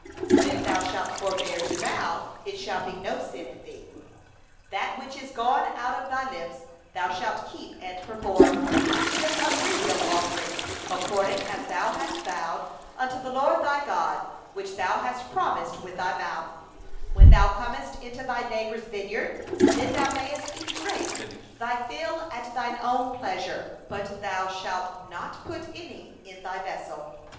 23But if thou shalt forbear to vow, it shall be no sin in thee. 24That which is gone out of thy lips thou shalt observe and do; according as thou hast vowed freely unto the LORD thy God, even that which thou hast promised with thy mouth. 25When thou comest into thy neighbour's vineyard, then thou mayest eat grapes until thou have enough at thine own pleasure; but thou shalt not put any in thy vessel.